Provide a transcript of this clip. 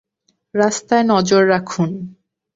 রাস্তায় নজর রাখুন!